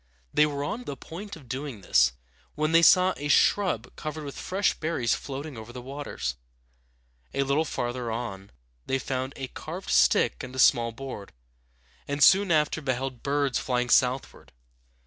They were on the point of doing this, when they saw a shrub covered with fresh berries floating over the waters. A little farther on they found a carved stick and a small board, and soon after beheld birds flying southward.